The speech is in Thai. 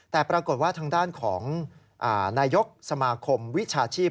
แต่ปรากฏว่าทางด้านของนายกสมาคมวิชาชีพ